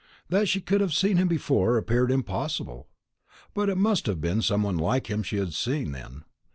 That she could have seen him before appeared impossible. It must have been some one like him she had seen, then.